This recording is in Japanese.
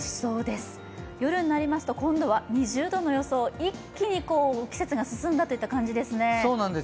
夜になりますと今度は２０度の予想、一気に季節が進んだという感じですね。